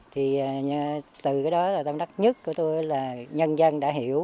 thì từ cái đó là tâm đắc nhất của tôi là nhân dân đã hiểu